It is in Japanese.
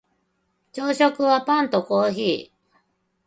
朝食はパンとコーヒー